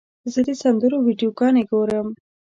زه د سندرو ویډیوګانې ګورم.